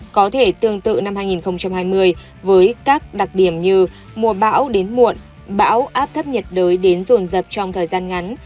có thể tương tự năm hai nghìn hai mươi với các đặc điểm như mùa bão đến muộn bão áp thấp nhiệt đới đến rồn rập trong thời gian ngắn